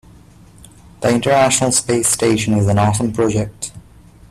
The international space station is an awesome project.